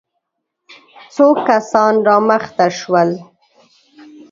څو کسان را مخته شول.